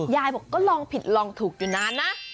ยายบอกก็ลองผิดลองถูกอยู่นานนะ